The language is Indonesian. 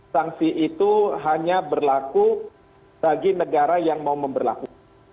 sanksi itu hanya berlaku bagi negara yang mau memperlakukan